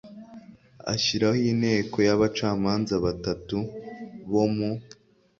ashyiraho inteko y abacamanza batatu bo mu